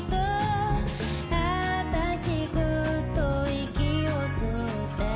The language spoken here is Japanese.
「あたしぐっと息を吸って」